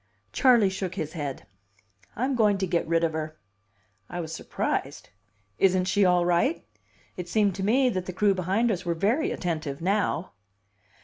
Charley shook his head. "I'm going to get rid of her." I was surprised. "Isn't she all right?" It seemed to me that the crew behind us were very attentive now.